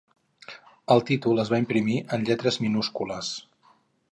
El títol es va imprimir en lletres minúscules.